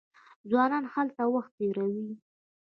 ځوانان هلته وخت تیروي.